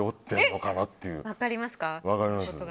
分かります。